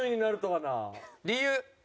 理由。